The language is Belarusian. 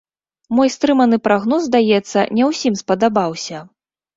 Мой стрыманы прагноз, здаецца, не ўсім спадабаўся.